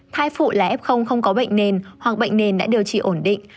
thai phụ là f không có bệnh nền hoặc bệnh nền đã điều trị ổn định